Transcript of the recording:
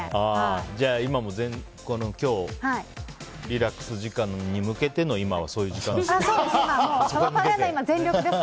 じゃあ今日のリラックス時間に向けての今、そういう時間ですか。